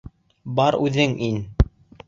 Бар үҙең ин!